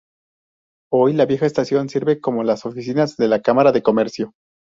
Hoy, la vieja estación sirve como las oficinas de la Cámara de Comercio.